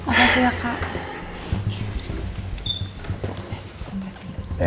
apa sih ya kak